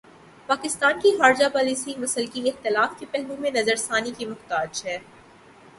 پاکستان کی خارجہ پالیسی مسلکی اختلاف کے پہلو سے نظر ثانی کی محتاج ہے۔